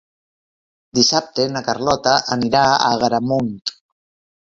Dissabte na Carlota anirà a Agramunt.